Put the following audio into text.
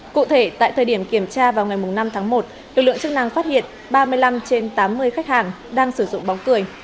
cụ thể tại thời điểm kiểm tra vào ngày năm tháng một lực lượng chức năng phát hiện ba mươi năm trên tám mươi khách hàng đang sử dụng bóng cười